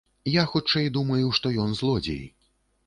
Я хутчэй думаю, што ён злодзей.